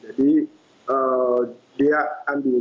jadi dia ambil